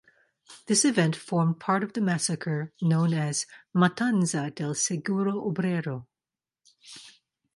This event formed part of the massacre known as "Matanza del Seguro Obrero".